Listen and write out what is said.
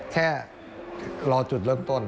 แค่รอจุดเริ่มต้น